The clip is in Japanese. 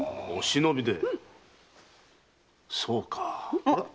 お忍びでそうか。